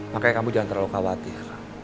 makanya kamu jangan terlalu khawatir